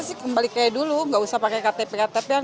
sih kembali kayak dulu nggak usah pakai ktp ktp kan